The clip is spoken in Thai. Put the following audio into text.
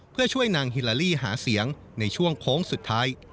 เพื่อช่วยนางฮิลาลี่หาเสียงในช่วงโค้งสุดท้าย